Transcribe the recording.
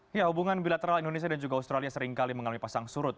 ya hubungan bilateral indonesia dan juga australia seringkali mengalami pasang surut